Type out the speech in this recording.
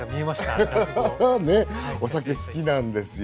ねえお酒好きなんですよ。